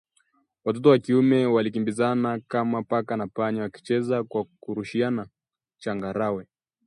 Watoto wa kiume walikimbizana kama paka na panya wakicheza kwa kurushiana changarawe